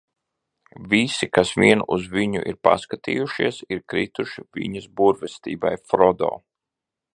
Visi, kas vien uz viņu ir paskatījušies, ir krituši viņas burvestībai, Frodo!